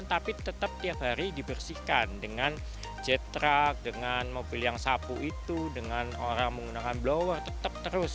tapi tetap tiap hari dibersihkan dengan jet truck dengan mobil yang sapu itu dengan orang menggunakan blower tetap terus